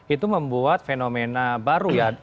itu membuat fenomena baru ya